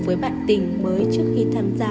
với bạn tình mới trước khi tham gia